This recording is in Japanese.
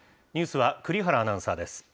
ニュースは栗原アナウンサーです。